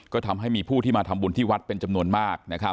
ก็ทำให้มีผู้ที่มาทำบุญที่วัดเป็นจำนวนมาก